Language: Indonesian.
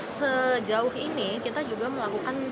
sejauh ini kita juga melakukan